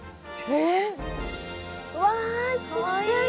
うわちっちゃい。